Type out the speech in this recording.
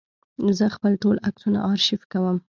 زه خپل ټول عکسونه آرشیف کوم.